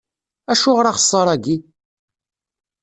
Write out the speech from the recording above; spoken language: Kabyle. Acuɣer axeṣṣar-agi?